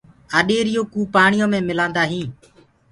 آڏيري يو ڪوُ پآڻيو مي مِلآندآ هينٚ۔